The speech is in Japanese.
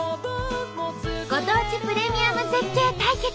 ご当地プレミアム絶景対決。